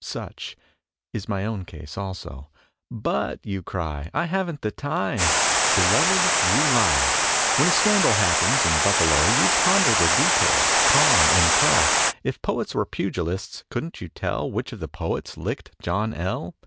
(Such Is my own case also.) "But," you cry, "I haven't the time." Beloved, you lie. When a scandal happens in Buffalo, You ponder the details, con and pro; If poets were pugilists, couldn't you tell Which of the poets licked John L.?